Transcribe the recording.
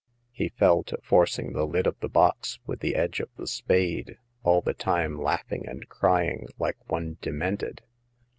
He fell to forcing the lid of the box with the edge of the spade, all the time laughing and cry ing like one demented.